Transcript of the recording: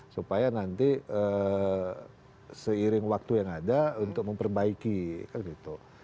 supaya nanti seiring waktu yang ada untuk memperbaiki kan gitu